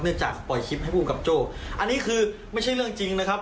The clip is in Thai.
จากปล่อยคลิปให้ภูมิกับโจ้อันนี้คือไม่ใช่เรื่องจริงนะครับ